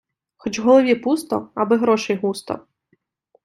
хоч в голові пусто, аби гроший густо